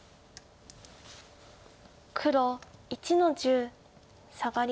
黒１の十サガリ。